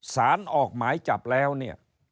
สารออกหมายจับแล้วเนี่ย